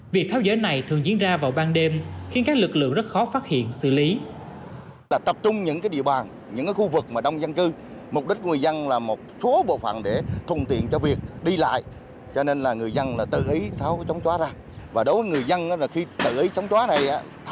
việc tháo dỡ này thường diễn ra vào ban đêm khiến các lực lượng rất khó phát hiện xử lý